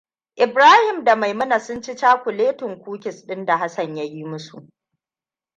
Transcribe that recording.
Ibrahima da Maimuna sun ci cakuletin kukis ɗin da Hassan ya yi musu.